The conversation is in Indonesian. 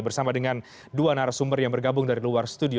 bersama dengan dua narasumber yang bergabung dari luar studio